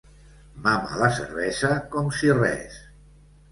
Mama la cervesa com si res.